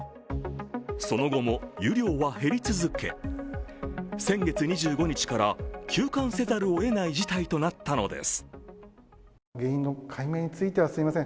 その後も湯量は減り続け先月２５日から休館せざるをえない事態となったのです。